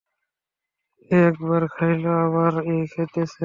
এই একবার খাইল, আবার এই খাইতেছে।